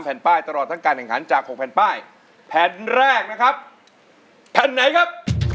แผ่นป้ายตลอดทั้งการแข่งขันจาก๖แผ่นป้ายแผ่นแรกนะครับแผ่นไหนครับ